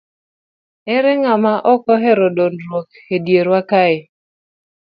Ere ng'ama ok ohero dongruok e dierwa kae?